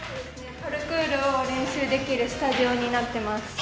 パルクールを練習できるスタジオになっています。